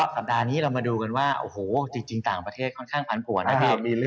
สัปดาห์นี้เรามาดูกันว่าต่างประเทศค่อนข้างขันผล